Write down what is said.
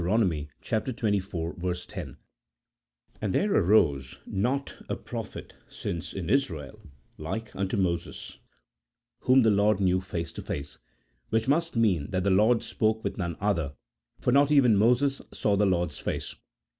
xxiv. 10 :" And there arose not a prophet since in Israel like unto Moses whom the Lord knew face to face," which must mean that the Lord spoke with none other ; for not even Moses saw the Lord's face.